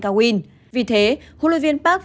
cao nguyên vì thế hlv park